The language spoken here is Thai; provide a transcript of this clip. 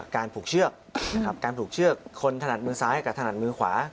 การผูกเชือกนะครับการผูกเชือกคนถนัดมือซ้ายกับถนัดมือขวา